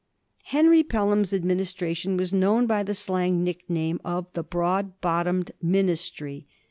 Henry Pelham's administration was known by the slang nickname of the "Broad bottomed Ministry."